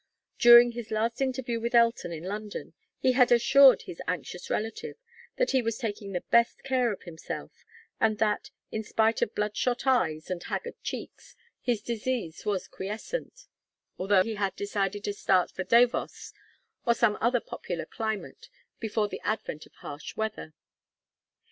During his last interview with Elton in London he had assured his anxious relative that he was taking the best of care of himself, and that, in spite of blood shot eyes and haggard cheeks, his disease was quiescent; although he had decided to start for Davos or some other popular climate before the advent of harsh weather.